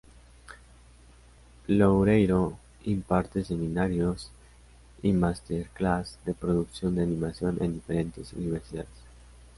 Loureiro imparte seminarios y Masterclass de producción de animación en diferentes universidades.